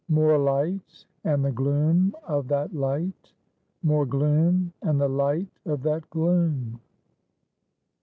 MORE LIGHT, AND THE GLOOM OF THAT LIGHT. MORE GLOOM, AND THE LIGHT OF THAT GLOOM.